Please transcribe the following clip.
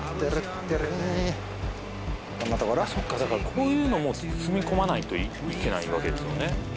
こういうのも積み込まないといけないわけですよね